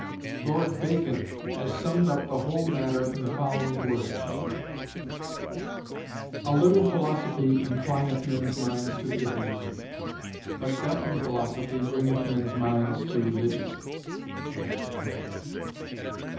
"Lord Bacon has summed up the whole matter in the following words: 'A little philosophy inclineth men's minds to atheism; but depth in philosophy bringeth men's minds to religion.'"